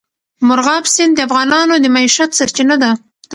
مورغاب سیند د افغانانو د معیشت سرچینه ده.